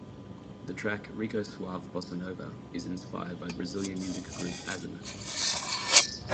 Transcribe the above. The track "Rico Suave Bossa Nova" is inspired by Brazilian music group Azymuth.